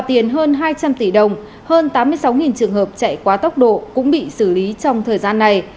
tiền hơn hai trăm linh tỷ đồng hơn tám mươi sáu trường hợp chạy quá tốc độ cũng bị xử lý trong thời gian này